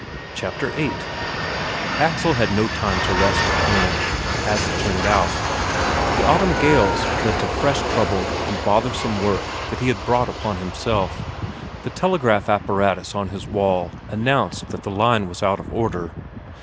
Chapter VIII Axel had no long time to rest at home, as it turned out; the autumn gales led to fresh trouble and bothersome work that he had brought upon himself: the telegraph apparatus on his wall announced that the line was out of order.